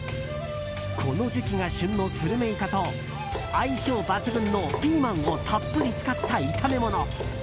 この時期が旬のスルメイカと相性抜群のピーマンをたっぷり使った炒め物。